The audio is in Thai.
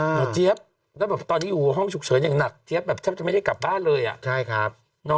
เจี๊ยบแล้วแบบตอนนี้อยู่ห้องฉุกเฉินอย่างหนักเจี๊ยบแบบแทบจะไม่ได้กลับบ้านเลยอ่ะใช่ครับ